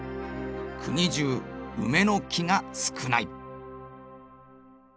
「国中梅の樹が少ない」。